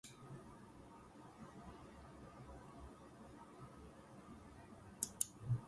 This includes understanding the requirements, design documents, and any other available documentation.